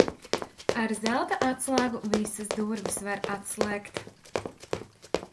Ar zelta atslēgu visas durvis var atslēgt.